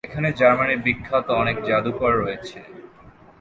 এখানে জার্মানির বিখ্যাত অনেক জাদুঘর রয়েছে।